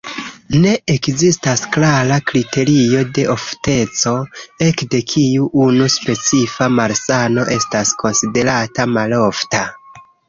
Ne ekzistas klara kriterio de ofteco, ekde kiu unu specifa malsano estas konsiderata malofta.